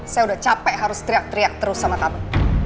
saya udah capek harus teriak teriak terus sama kamu